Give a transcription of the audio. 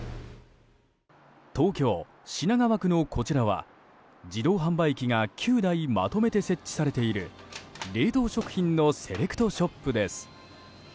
東京・品川区のこちらは自動販売機が９台まとめて設置されている冷凍食品のセレクトショップです。